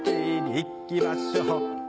いきましょう